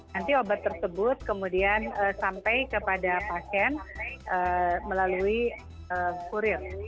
nanti obat tersebut kemudian sampai kepada pasien melalui kurir